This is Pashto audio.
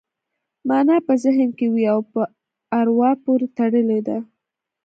مانا په ذهن کې وي او په اروا پورې تړلې ده